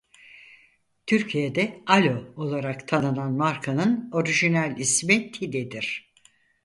Türkiye'de "Alo" olarak tanınan markanın orijinal ismi Tide'dir.